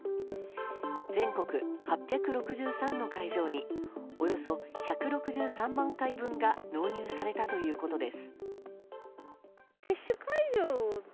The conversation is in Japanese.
全国８６３の会場におよそ１６３万回分が納入されたということです。